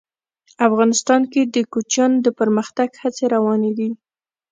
افغانستان کې د کوچیانو د پرمختګ هڅې روانې دي.